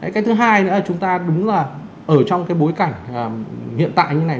cái thứ hai nữa chúng ta đúng là ở trong cái bối cảnh hiện tại như này